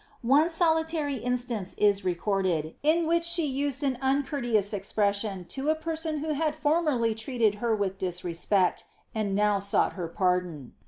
One solitary instance is recorded, in which she used an uucourteous expression to a person who had formerly treated her with disrespect) ind now sought her pardon.